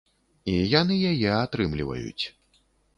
І яны яе атрымліваюць.